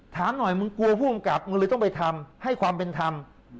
ถามหน่อยมึงกลัวผู้กำกับมึงเลยต้องไปทำให้ความเป็นธรรม